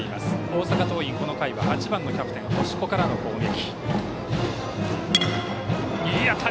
大阪桐蔭この回は、８番、キャプテンの星子からの攻撃。